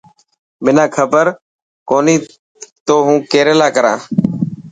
منا کبر ڪوني تو هون ڪيريلا ڪران.